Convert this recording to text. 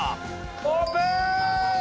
オープン！